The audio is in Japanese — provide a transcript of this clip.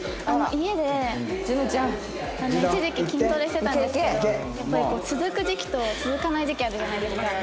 家で一時期筋トレしてたんですけどやっぱり続く時期と続かない時期あるじゃないですか。